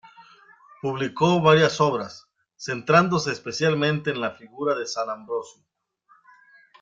Publicó varias obras, centrándose especialmente en la figura de San Ambrosio.